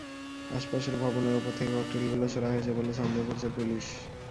আশপাশের ভবনের ওপর থেকে ককটেলগুলো ছোড়া হয়েছে বলে সন্দেহ করছে পুলিশ।